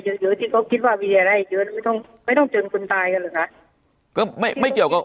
หรือที่เขาคิดว่ามีอะไรไม่ต้องเจริญคุณตายกันหรือคะ